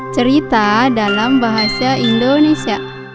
cerita dalam bahasa indonesia